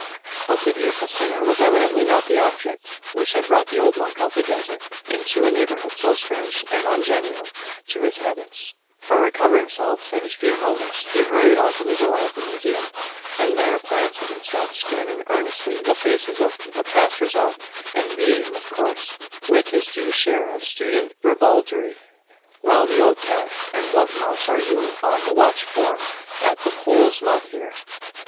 But the beautiful sinner was evidently not the object which had brought the old monk of the desert into a neighbourhood so strange and ungenial to his habits; for, recovering himself in a few moments, he hurried on to the door of the Museum, and there planted himself, scanning earnestly the faces of the passers out, and meeting, of course, with his due share of student ribaldry. 'Well, old cat, and what mouse are you on the watch for, at the hole's mouth here?